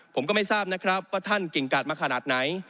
ผมก็ไม่ทราบนะครับว่าท่านเก่งกาดมาขนาดไหน